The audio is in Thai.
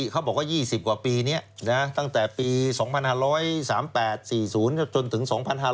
เขาบอกว่า๒๐กว่าปีนี้ตั้งแต่ปี๒๕๓๘๔๐จนถึง๒๕๕๙